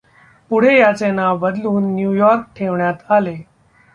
पुढे याचे नाव बदलुन न्यूयॉर्क ठेवण्यात आले.